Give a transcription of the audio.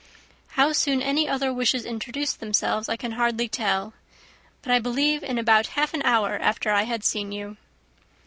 How soon any other wishes introduced themselves, I can hardly tell, but I believe in about half an hour after I had seen you."